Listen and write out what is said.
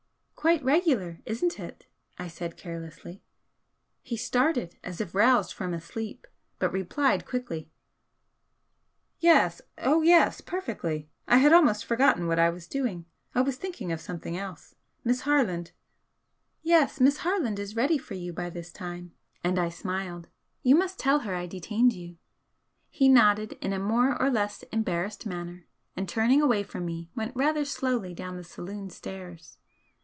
"Quite regular, isn't it?" I said, carelessly. He started as if roused from a sleep, but replied quickly: "Yes oh yes perfectly! I had almost forgotten what I was doing. I was thinking of something else. Miss Harland " "Yes, Miss Harland is ready for you by this time" and I smiled. "You must tell her I detained you." He nodded in a more or less embarrassed manner, and turning away from me, went rather slowly down the saloon stairs.